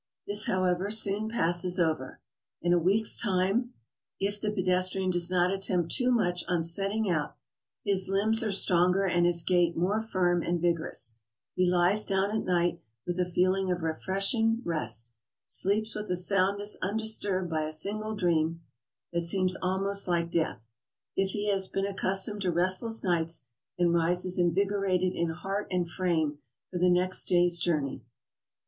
This, however, soon passes over. In a week's time, if the pedestrian does not attempt too much on setting out, his limbs are stronger and his gait more firm and vigorous; he lies down at night with a feeling of refreshing rest, sleeps wilh a soundness undisturbed by a single dream, that seems almost like death, if he has been accustomed to restless nights; and rises invigorated in heart and frame for the next day's jour ney.